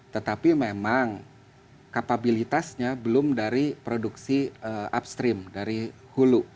tetapi memang kapabilitasnya belum dari produksi upstream dari hulu